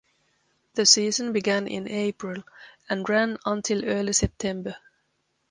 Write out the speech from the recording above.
The season began in April and ran until early September.